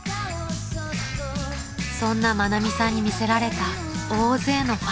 ［そんな愛美さんに魅せられた大勢のファン］